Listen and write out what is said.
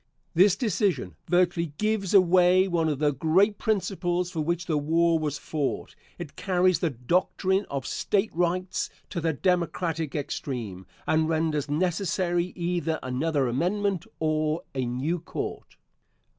This decision virtually gives away one of the great principles for which the war was fought. It carries the doctrine of "State Rights" to the Democratic extreme, and renders necessary either another amendment or a new court.